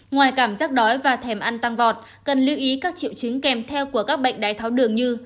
ngoài cảm giác đói và thèm ăn tăng vọt cần lưu ý các triệu chứng kèm theo của các bệnh đái tháo đường như